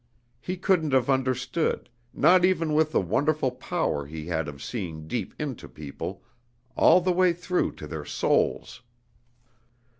He couldn't have understood, not even with the wonderful power he had of seeing deep into people, all the way through to their souls.